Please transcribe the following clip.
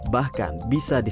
bahkan bisa disandung